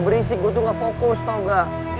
berisik gue tuh gak fokus tau gak